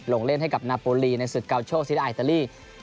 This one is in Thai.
ลงเล่นให้กับนาโปรลีในศึกเกาโชคซิดาอิตาลี